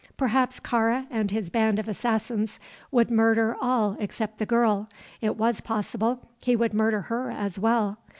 Perhaps Kāra and his band of assassins would murder all except the girl; it was possible he would murder her as well.